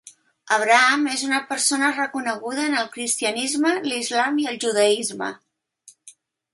Abraham és una persona reconeguda en el cristianisme, l'islam i el judaisme.